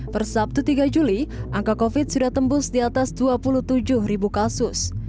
per sabtu tiga juli angka covid sudah tembus di atas dua puluh tujuh ribu kasus